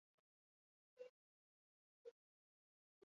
Erro kubo erreal funtzioa bakoitia da.